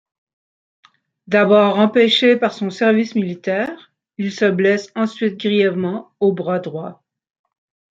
D'abord empêché par son service militaire, il se blesse ensuite grièvement au bras droit.